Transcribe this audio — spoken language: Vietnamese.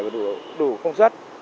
và đủ công suất